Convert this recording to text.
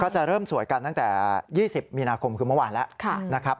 จะเริ่มสวยกันตั้งแต่๒๐มีนาคมคือเมื่อวานแล้วนะครับ